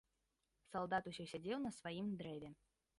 Салдат усё сядзеў на сваім дрэве.